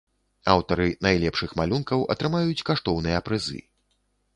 Аўтары найлепшых малюнкаў атрымаюць каштоўныя прызы.